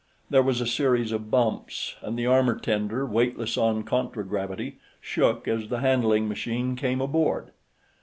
There was a series of bumps, and the armor tender, weightless on contragravity, shook as the handling machine came aboard.